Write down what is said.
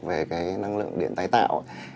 về cái năng lượng điện tài tạo